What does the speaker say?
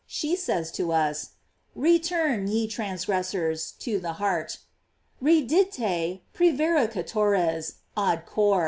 She says to us * Return, ye transgressors, to the heart: "Re dite, prsevaricatores, ad cor."